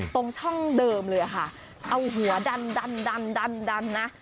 ตรงช่องเดิมเลยอ่ะค่ะเอาหัวดันดันดันดันดันนะ